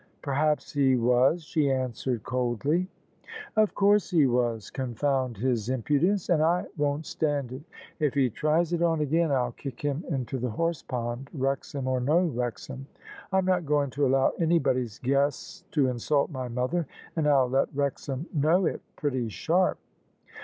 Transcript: " Perhaps he was," she answered coldly. "Of course he was, confound his impudence! And I won't stand it. If he tries it on again, I'll kick him into the horsepond, Wrexham or no Wrexham! I'm not going to allow anybody's guests to insult my mother; and I'll let Wrexham know it pretty sharp